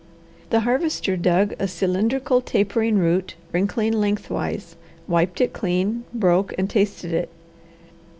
The Harvester dug a cylindrical, tapering root, wrinkling lengthwise, wiped it clean, broke and tasted it.